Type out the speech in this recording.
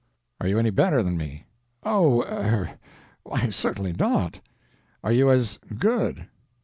"Are you any better than me?" "O,—er—why, certainly not." "Are you as _good?